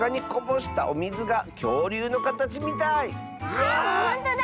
わあほんとだ。